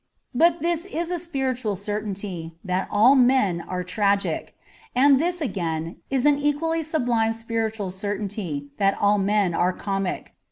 But this is a spiritual certainty, that all men are tragic. And this, again, is an equally sublime spiritual certainty, that all men are comic.